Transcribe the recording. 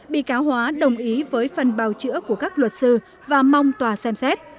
bị cáo hóa đồng ý với phần bào chữa của các luật sư và mong tòa xem xét